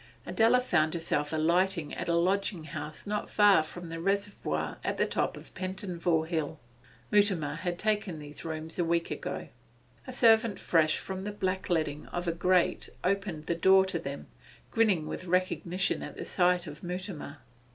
Adela found herself alighting at a lodging house not far from the reservoir at the top of Pentonville Hill. Mutimer had taken these rooms a week ago. A servant fresh from the blackleading of a grate opened the door to them, grinning with recognition at the sight of Mutimer.